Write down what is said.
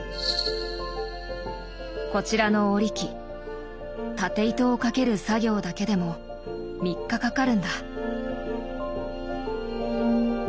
こちらの織り機経糸をかける作業だけでも３日かかるんだ。